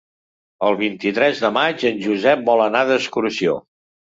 El vint-i-tres de maig en Josep vol anar d'excursió.